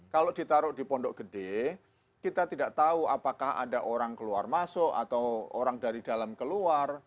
kalau ditaruh di pondok gede kita tidak tahu apakah ada orang keluar masuk atau orang dari dalam keluar